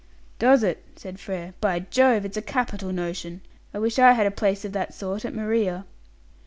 "Does it?" said Frere. "By Jove! it's a capital notion. I wish I had a place of that sort at Maria."